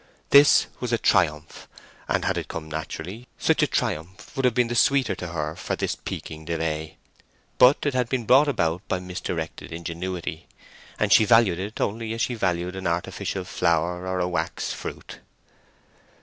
This was a triumph; and had it come naturally, such a triumph would have been the sweeter to her for this piquing delay. But it had been brought about by misdirected ingenuity, and she valued it only as she valued an artificial flower or a wax fruit.